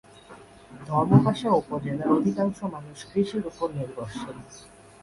ধর্মপাশা উপজেলার অধিকাংশ মানুষ কৃষির উপর নির্ভরশীল।